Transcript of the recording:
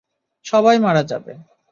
সবাই মারা যাবে।